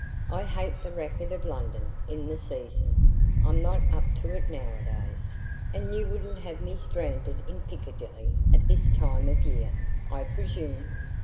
I hate the racket of London in the season I'm not up to it nowadays and you wouldn't have me stranded in Piccadilly at this time of year, I presume?